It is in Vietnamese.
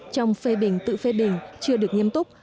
trong phê bình tự phê bình chưa được nghiêm túc